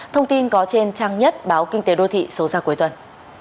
thông tin có trên trang nhất báo kinh tế đô thị số ra cuối tuần